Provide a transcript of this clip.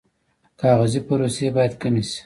کاغذي پروسې باید کمې شي